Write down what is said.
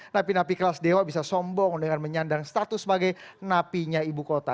napi napi kelas dewa bisa sombong dengan menyandang status sebagai napinya ibu kota